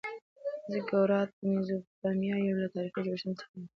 زیګورات د میزوپتامیا یو له تاریخي جوړښتونو څخه دی.